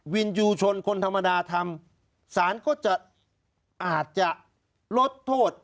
ยูชนคนธรรมดาทำสารก็จะอาจจะลดโทษ